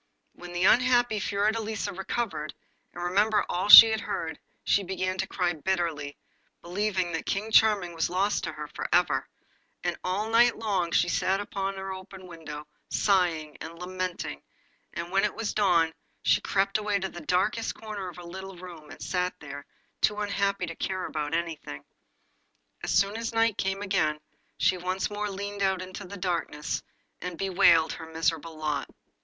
When the unhappy Fiordelisa recovered, and remembered all she had just heard, she began to cry bitterly, believing that King Charming was lost to her for ever, and all night long she sat at her open window sighing and lamenting; but when it was dawn she crept away into the darkest corner of her little room and sat there, too unhappy to care about anything. As soon as night came again she once more leaned out into the darkness and bewailed her miserable lot.